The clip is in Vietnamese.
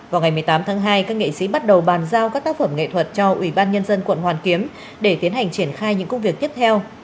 vào ngày một mươi tám tháng hai các nghệ sĩ bắt đầu bàn giao các tác phẩm nghệ thuật cho ủy ban nhân dân quận hoàn kiếm để tiến hành triển khai những công việc tiếp theo